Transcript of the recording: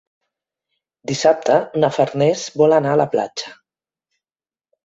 Dissabte na Farners vol anar a la platja.